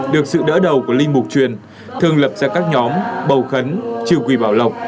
được sự đỡ đầu của linh mục truyền thường lập ra các nhóm bầu khấn trừ quỷ bảo lộc